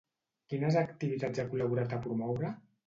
Quines activitats ha col·laborat a promoure?